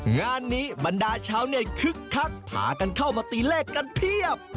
งานนี้บรรดาชาวเน็ตคึกคักพากันเข้ามาตีเลขกันเพียบ